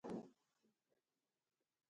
د افغانستان دښتې پراخې دي